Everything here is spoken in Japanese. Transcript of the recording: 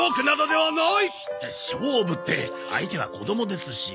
勝負って相手は子どもですし。